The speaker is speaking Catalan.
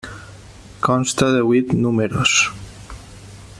Consta de vuit números.